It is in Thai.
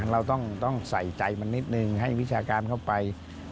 เราต้องใส่ใจมันนิดนึงให้วิชาการเข้าไป